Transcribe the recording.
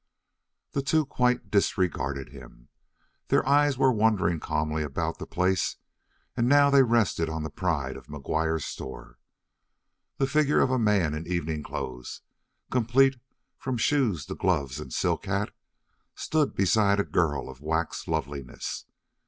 The two quite disregarded him. Their eyes were wandering calmly about the place, and now they rested on the pride of McGuire's store. The figure of a man in evening clothes, complete from shoes to gloves and silk hat, stood beside a girl of wax loveliness.